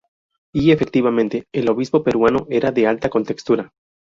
Y efectivamente, el obispo peruano era de alta contextura.